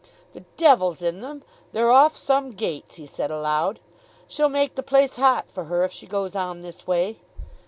"The devil's in them. They're off some gates," he said aloud. "She'll make the place hot for her, if she goes on this way."